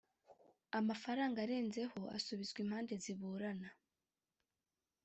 amafaranga arenzeho asubizwa impande ziburana